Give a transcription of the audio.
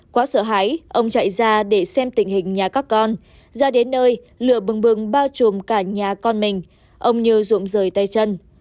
quá sợ hãi ông chạy ra để xem tình hình nhà các con ra đến nơi lửa bừng bừng bao trùm cả nhà con mình ông như rụng rời tay chân